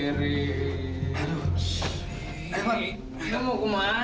emang lu mau ke mana